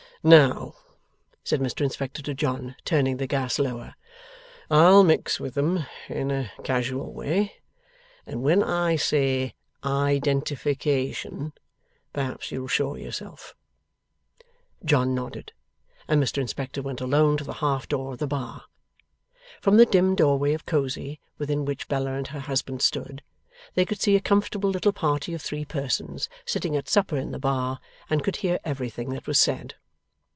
'Now,' said Mr Inspector to John, turning the gas lower; 'I'll mix with 'em in a casual way, and when I say Identification, perhaps you'll show yourself.' John nodded, and Mr Inspector went alone to the half door of the bar. From the dim doorway of Cosy, within which Bella and her husband stood, they could see a comfortable little party of three persons sitting at supper in the bar, and could hear everything that was said.